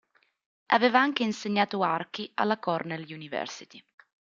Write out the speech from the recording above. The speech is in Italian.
Aveva anche insegnato archi alla Cornell University.